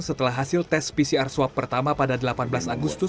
setelah hasil tes pcr swab pertama pada delapan belas agustus